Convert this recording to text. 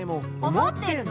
「思ってるの？」